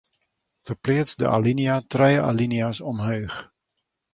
Ferpleats de alinea trije alinea's omleech.